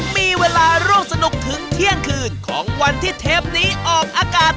มีเวลาร่วมสนุกถึงเที่ยงคืนของวันที่เทปนี้ออกอากาศ